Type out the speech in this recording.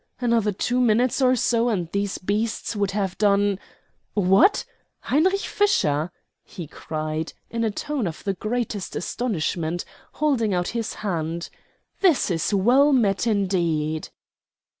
"Another two minutes or so and these beasts would have done What! Heinrich Fischer!" he cried, in a tone of the greatest astonishment, holding out his hand. "This is well met indeed."